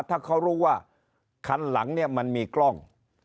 ถ้าเขารู้ว่าคันหลังเนี่ยมันมีกล้อง